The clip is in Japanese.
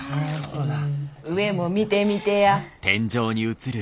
上も見てみてや。